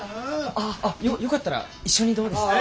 よかったら一緒にどうですか？